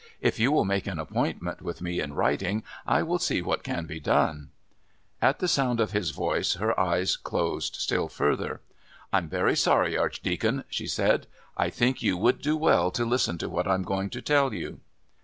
If you will make an appointment with me in writing, I will see what can be done." At the sound of his voice her eyes closed still further. "I'm very sorry, Archdeacon," she said. "I think you would do well to listen to what I am going to tell you."